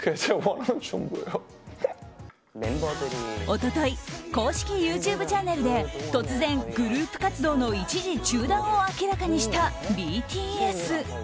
一昨日公式ＹｏｕＴｕｂｅチャンネルで突然、グループ活動の一時中断を明らかにしたＢＴＳ。